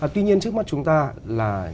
tuy nhiên trước mắt chúng ta là